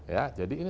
ya jadi ini